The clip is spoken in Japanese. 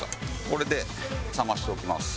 これで冷ましておきます。